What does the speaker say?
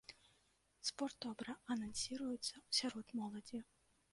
Спорт добра анансіруецца сярод моладзі.